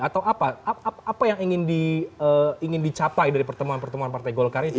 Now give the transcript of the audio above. atau apa yang ingin dicapai dari pertemuan pertemuan partai golkar itu